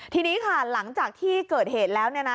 ทีนี้ค่ะหลังจากที่เกิดเหตุแล้วเนี่ยนะ